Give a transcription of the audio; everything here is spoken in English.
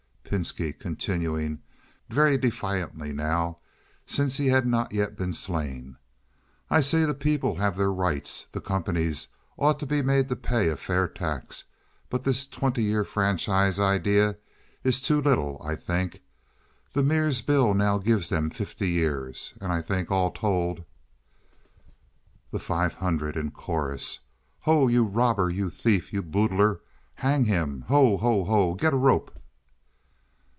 Pinski (continuing very defiantly now, since he has not yet been slain). "I say the people have their rights. The companies ought to be made to pay a fair tax. But this twenty year franchise idea is too little, I think. The Mears bill now gives them fifty years, and I think all told—" The Five Hundred (in chorus). "Ho, you robber! You thief! You boodler! Hang him! Ho! ho! ho! Get a rope!"